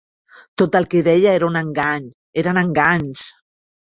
Tot el que deia era un engany, eren enganys.